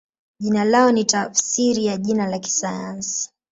Jina lao ni tafsiri ya jina la kisayansi.